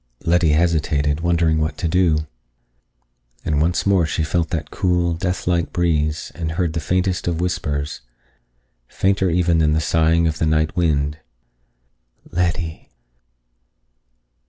Letty hesitated, wondering what to do. And once more she felt that cool, death like breeze, and heard the faintest of whispers, fainter even than the sighing of the night wind: "Letty."